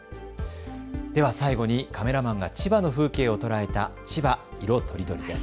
では最後にカメラマンが千葉の風景を捉えた千葉いろとりどりです。